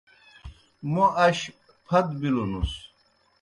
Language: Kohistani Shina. موْ اش پھت بِلوْنُس۔